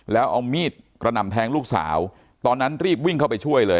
แล้วเอามีดกระหน่ำแทงลูกสาวตอนนั้นรีบวิ่งเข้าไปช่วยเลย